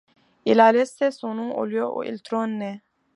Il a laissé son nom au lieu où il trônait.